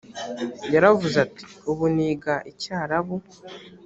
yaravuze ati ‘’ ubu niga icyarabu.”